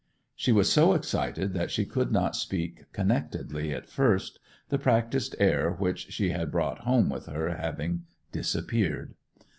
She was so excited that she could not speak connectedly at first, the practised air which she had brought home with her having disappeared.